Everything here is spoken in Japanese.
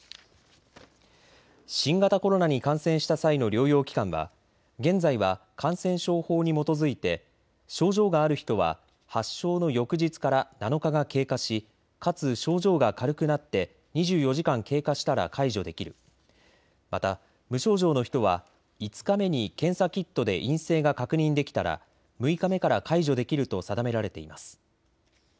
新型コロナに感染した際の療養期間は現在は感染症法に基づいて症状がある人は発症の翌日から７日が経過しかつ症状が軽くなって２４時間経過したら解除できる、また無症状の人は５日目に検査キットで陰性が確認できたら６日目から解除できると定められています。